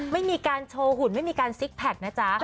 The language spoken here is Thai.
ไม่มีการโชว์หุ่นไม่มีการซิกแพคนะจ๊ะ